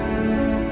aku juga pak